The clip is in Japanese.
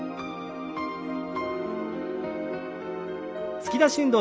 突き出し運動。